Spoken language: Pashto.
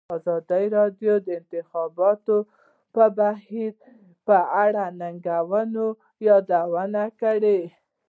ازادي راډیو د د انتخاباتو بهیر په اړه د ننګونو یادونه کړې.